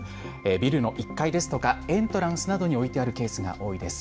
ビルの１階ですとかエントランスなどに置いてあるケースが多いです。